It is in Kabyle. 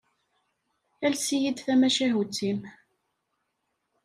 Ales-iyi-d tamacahut-im.